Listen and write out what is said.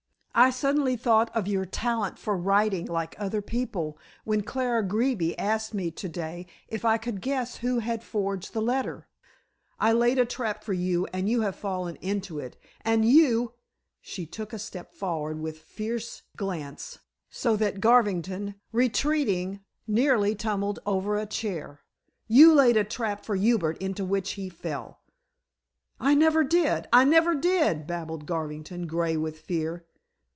"I suddenly thought of your talent for writing like other people when Clara Greeby asked me to day if I could guess who had forged the letter. I laid a trap for you and you have fallen into it. And you" she took a step forward with fiery glance so that Garvington, retreating, nearly tumbled over a chair "you laid a trap for Hubert into which he fell." "I never did I never did!" babbled Garvington, gray with fear.